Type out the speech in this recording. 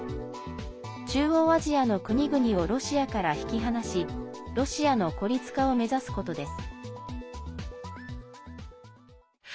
中央アジアの国々をロシアから引き離しロシアの孤立化を目指すことです。